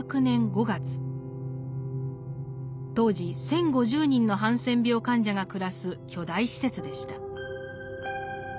当時１，０５０人のハンセン病患者が暮らす巨大施設でした。